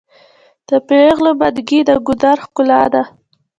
د پیغلو منګي د ګودر ښکلا ده.